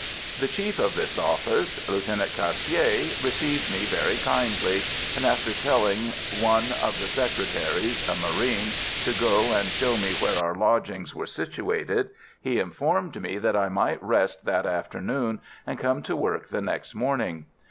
The chief of this office, Lieutenant Cassier, received me very kindly; and, after telling one of the secretaries, a marine, to go and show me where our lodgings were situated, he informed me that I might rest that afternoon, and come to work the next morning.